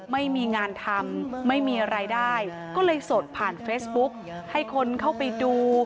ไม่มีงานทำไม่มีอะไรได้ก็เลยสดผ่านเฟซบุ๊กให้คนเข้าไปดู